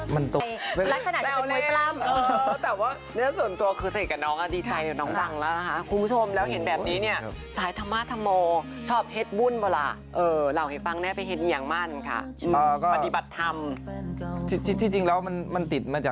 รักฆนาจจะเป็นมวยตรัม